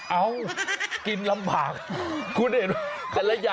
เอ้ากินลำบากคุณเห็นไหม